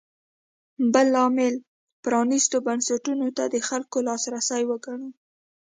بل لامل پرانېستو بنسټونو ته د خلکو لاسرسی وګڼو.